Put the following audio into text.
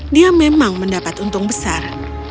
dia memang mendapat untung besar